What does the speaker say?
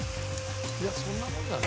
いやそんなもんじゃない？